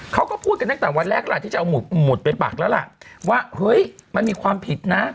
เขาก็พูดกันตั้งแต่วันแรกล่ะที่จะเอาหมุดไปปักแล้วล่ะว่าเฮ้ยมันมีความผิดนะ